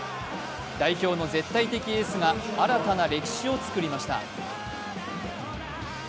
代表の絶対的エースが新たな歴史を作りました。